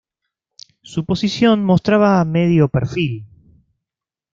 Su posición mostraba medio perfil.